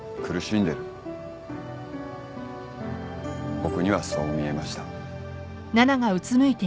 僕にはそう見えました。